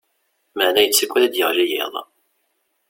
Maɛna yettaggad ad d-yeɣli yiḍ.